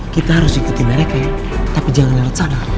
kita harus ikuti mereka tapi jangan lewat sana